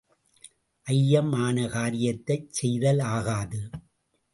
ஐயம் ஆன காரியத்தைச் செய்தல் ஆகாது.